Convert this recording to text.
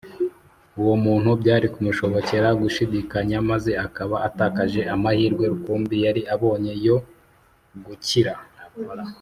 Uwo muntu byari kumushobokera gushidikanya maze akaba atakaje amahirwe rukumbi yari abonye yo gukira